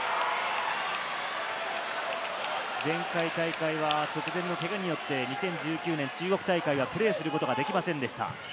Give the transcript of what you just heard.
前回大会は直前のけがによって２０１９年、中国大会はプレーすることができませんでした。